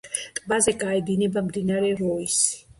ტბაზე გაედინება მდინარე როისი.